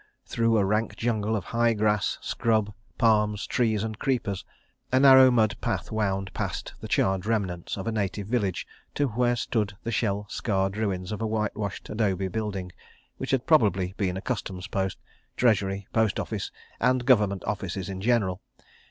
Through a rank jungle of high grass, scrub, palms, trees and creepers, a narrow mud path wound past the charred remnants of a native village to where stood the shell scarred ruins of a whitewashed adobe building which had probably been a Customs post, treasury, post office and Government Offices in general.